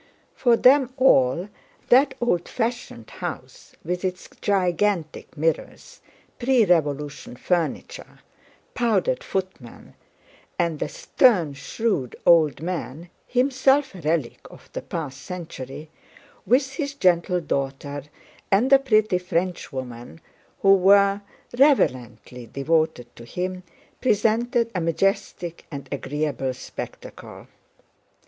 For them all, that old fashioned house with its gigantic mirrors, pre Revolution furniture, powdered footmen, and the stern shrewd old man (himself a relic of the past century) with his gentle daughter and the pretty Frenchwoman who were reverently devoted to him presented a majestic and agreeable spectacle.